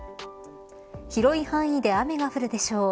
広い範囲で雨が降るでしょう。